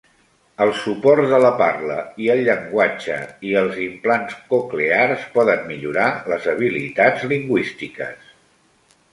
El suport de la parla i el llenguatge i els implants coclears poden millorar les habilitats lingüístiques.